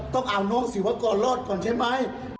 ต้องเอาน้องศิวากรรอดก่อนใช่ไหม